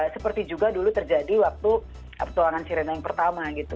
seperti juga dulu terjadi waktu petualangan sirena yang pertama gitu